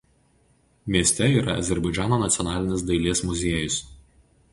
Mieste yra Azerbaidžano nacionalinis dailės muziejus.